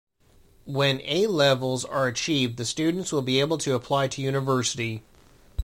When A levels are achieved the students will be able to apply to university.